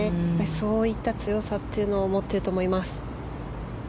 そういった強さというのを持っていると思います。